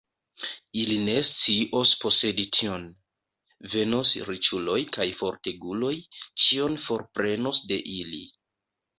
Ili ne scios posedi tion; venos riĉuloj kaj forteguloj, ĉion forprenos de ili.